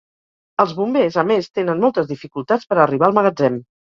Els bombers, a més, tenen moltes dificultats per arribar al magatzem.